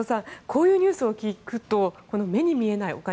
こういうニュースを聞くと目に見えないお金